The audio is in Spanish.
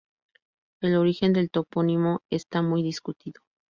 El origen del topónimo está muy discutido.